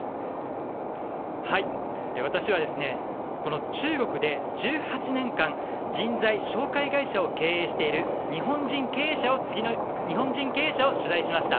私は中国で１８年間人材紹介会社を経営している日本人経営者を取材しました。